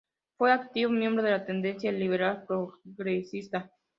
Fue activo miembro de la tendencia liberal progresista.